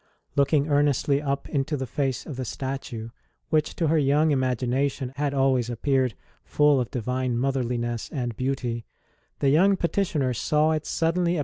Looking earnestly up into the face of the statue, which to her young imagination had always appeared full of divine motherliness and beauty, the young petitioner saw it suddenly ST.